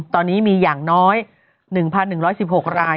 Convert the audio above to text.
ตอนนี้มีอย่างน้อย๑๑๑๖ราย